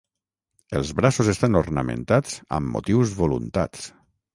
Els braços estan ornamentats amb motius voluntats.